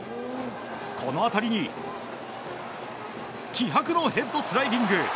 この当たりに気迫のヘッドスライディング！